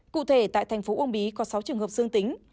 cụ thể tại thành phố uông bí có sáu trường hợp dương tính